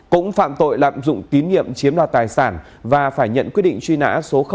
cũng phạm tội lạm dụng tín nhiệm chiếm đoạt tài sản và phải nhận quyết định truy nã số một